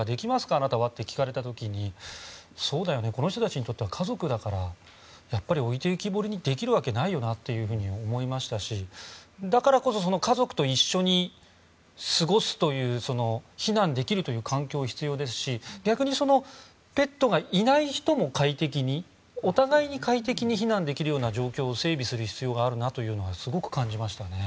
あなたはって聞かれた時にこの人たちにとっては家族だからやっぱり置いてきぼりにできるわけないなと思いましたしだからこそ家族と一緒に過ごすという避難できる環境が必要ですし逆にペットがいない人も快適にお互いに快適に避難できるような状況を整備する必要があるなというのをすごく感じましたね。